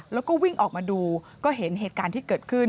แล้วก็วิ่งออกมาดูก็เห็นเหตุการณ์ที่เกิดขึ้น